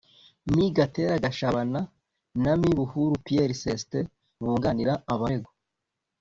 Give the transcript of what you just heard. Me Gatera Gashabana na Me Buhuru Pierre Celestin bunganira abaregwa